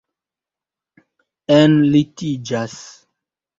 enlitiĝas